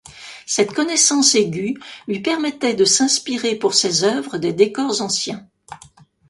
Cette connaissance aiguë lui permettait de s'inspirer pour ses œuvres des décors anciens.